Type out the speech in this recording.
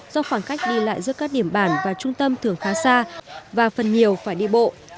do khoảng cách đi lại giữa các điểm bản và trung tâm thường khá xa và phần nhiều phải đi bộ